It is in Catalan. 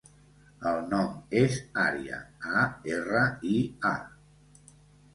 El nom és Aria: a, erra, i, a.